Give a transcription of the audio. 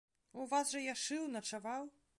У вас жа я шыў, начаваў.!